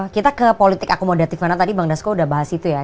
kita ke politik akomodatif mana tadi bang dasko udah bahas itu ya